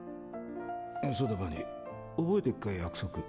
そうだバニー覚えてっか約束。